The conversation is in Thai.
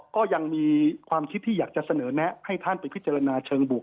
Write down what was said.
ก็ยังมีความคิดที่อยากจะเสนอแนะให้ท่านไปพิจารณาเชิงบวก